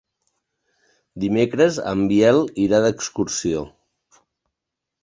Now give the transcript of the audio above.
Dimecres en Biel irà d'excursió.